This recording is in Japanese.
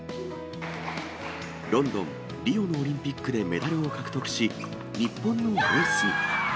ロンドン、リオのオリンピックでメダルを獲得し、日本のエースに。